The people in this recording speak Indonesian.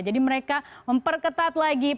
jadi mereka memperketat lagi